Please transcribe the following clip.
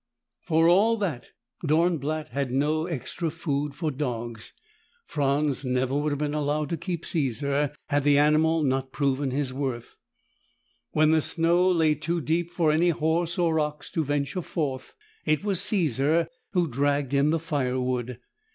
For all that, Dornblatt had no extra food for dogs. Franz never would have been allowed to keep Caesar had the animal not proven his worth. When the snow lay too deep for any horse or ox to venture forth, it was Caesar who dragged in the firewood.